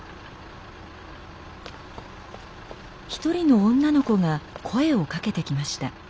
一人の女の子が声をかけてきました。